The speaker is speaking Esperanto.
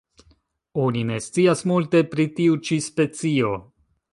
Oni ne scias multe pri tiu ĉi specio.